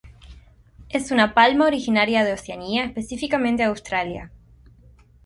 Es una palma originaria de Oceanía, específicamente de Australia.